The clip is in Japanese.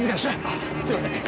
あすいません。